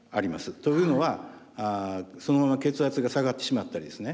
というのはそのまま血圧が下がってしまったりですね